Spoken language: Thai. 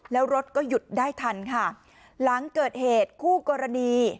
แล้วรถก็หยุดได้ทันค่ะหลังเกิดเหตุคู่กรณี